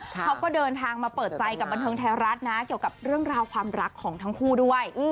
เขาก็เดินทางมาเปิดใจกับบันเทิงไทยรัฐนะเกี่ยวกับเรื่องราวความรักของทั้งคู่ด้วย